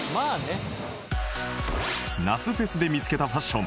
夏フェスで見つけたファッション